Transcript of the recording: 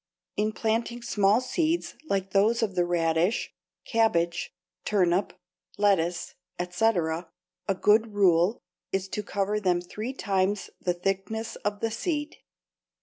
In planting small seeds like those of the radish, cabbage, turnip, lettuce, etc., a good rule is to cover them three times the thickness of the seed.